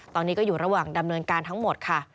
ตอนนี้ก็อยู่ระหว่างดำเนินการทั้งหมดค่ะ